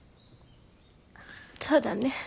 そうだね。